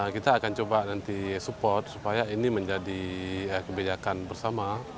kita akan coba nanti support supaya ini menjadi kebijakan bersama